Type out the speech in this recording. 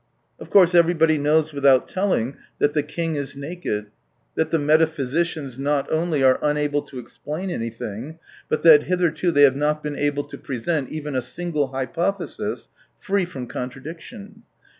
Of course every body knows without telling that the king is 34 naked : that the metaphysicians not only are unable to explain anything, but that hitherto they have not been able to present even a single hypothesis free from contra diction.